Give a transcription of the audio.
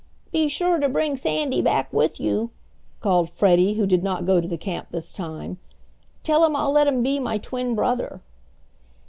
"Be sure to bring Sandy back with you," called Freddie, who did not go to the camp this time. "Tell him I'll let him be my twin brother."